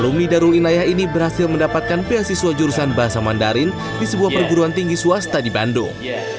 rumi darul inayah ini berhasil mendapatkan beasiswa jurusan bahasa mandarin di sebuah perguruan tinggi swasta di bandung